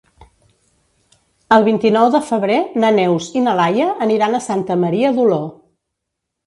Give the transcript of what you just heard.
El vint-i-nou de febrer na Neus i na Laia aniran a Santa Maria d'Oló.